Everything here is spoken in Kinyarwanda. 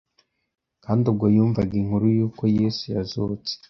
kandi ubwo yumvaga inkuru yuko Yesu yazutse,